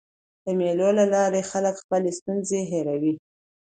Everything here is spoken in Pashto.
د مېلو له لاري خلک خپلي ستونزي هېروي.